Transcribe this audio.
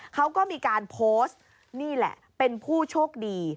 เขาก็มีการโพสต์นี่แหละเป็นผู้โชคดี